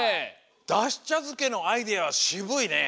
ダシちゃづけのアイデアはしぶいね。